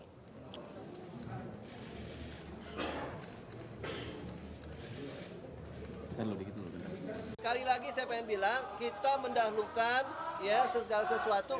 sekali lagi saya ingin bilang kita mendahulukan segala sesuatu